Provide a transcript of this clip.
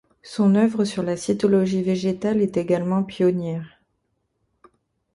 Son œuvre sur la cytologie végétale est également pionnière.